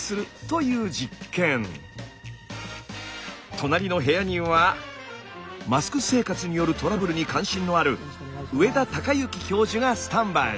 隣の部屋にはマスク生活によるトラブルに関心のある上田貴之教授がスタンバイ。